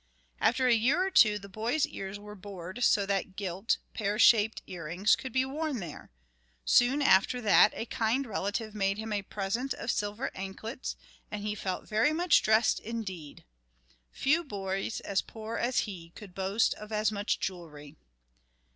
After a year or two the boy's ears were bored so that gilt, pear shaped earrings could be worn there. Soon after that a kind relative made him a present of silver anklets, and then he felt very much dressed indeed. Few boys as poor as he could boast of as much jewelry.